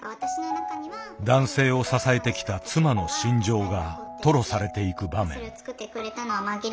男性を支えてきた妻の心情が吐露されていく場面。